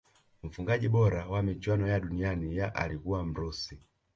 mfungaji bora wa michuano ya duniani ya alikuwa mrusi